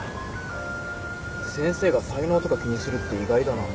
先生が才能とか気にするって意外だな。